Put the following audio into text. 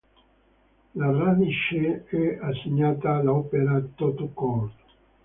La radice è assegnata all'opera tout court.